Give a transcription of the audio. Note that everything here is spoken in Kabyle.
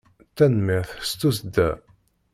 Tanemmirt s tussda!